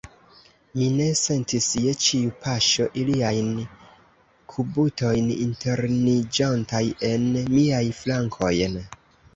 Mi ne sentis je ĉiu paŝo iliajn kubutojn interniĝantaj en miajn flankojn.